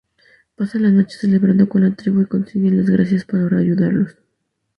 Pasan la noche celebrando con la tribu y consiguen las gracias por ayudarlos.